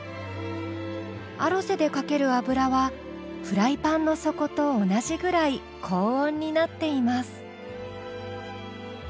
アロゼでかける油はフライパンの底と同じぐらい高温になっています。